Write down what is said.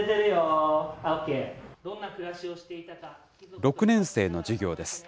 ６年生の授業です。